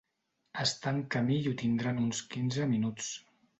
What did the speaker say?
Està en camí i ho tindrà en uns quinze minuts.